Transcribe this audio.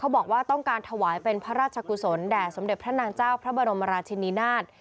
บอกว่าต้องการถวายเป็นพระราชกุศลแด่สมเด็จพระนางเจ้าพระบรมราชินินาศ